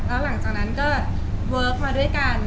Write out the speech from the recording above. แล้วหลังจากนั้นก็เวิร์คมาด้วยกัน